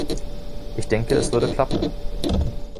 Ich denke, es würde klappen.